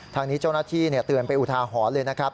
ทางนี้เจ้าหน้าที่เตือนไปอุทาหรณ์เลยนะครับ